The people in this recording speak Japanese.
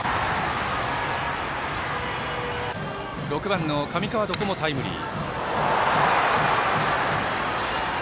６番、上川床もタイムリー。